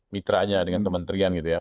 mitranya dengan kementerian gitu ya